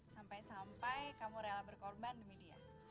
sampai sampai kamu rela berkorban demi dia